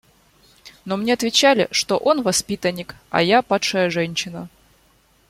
Но мне отвечали, что он воспитанник, а я падшая женщина.